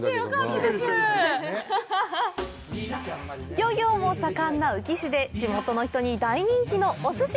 漁業も盛んな宇城市で、地元の人に大人気のおすし。